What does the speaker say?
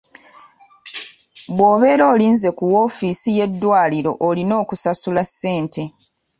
Bw'obeera olinze ku wofiisi y'eddwaliro olina okusasula ssente.